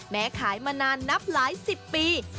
แม้ขายมานานนับหลาย๑๐ปี